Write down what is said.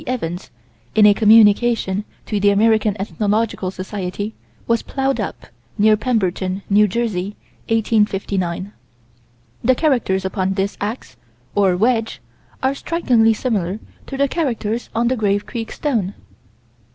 Evans, in a communication to the American Ethnological Society, was plowed up, near Pemberton, N.J., 1859. The characters upon this ax, or wedge, are strikingly similar to the characters on the Grave Creek stone.